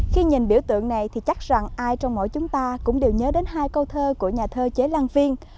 khi nhìn biểu tượng này thì chắc rằng ai trong mỗi chúng ta cũng đều nhớ đến hai câu thơ của nhà thơ chế lan viên